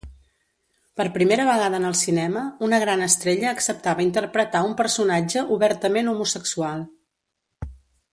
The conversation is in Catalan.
Per primera vegada en el cinema, una gran estrella acceptava interpretar un personatge obertament homosexual.